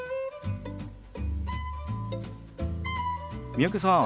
三宅さん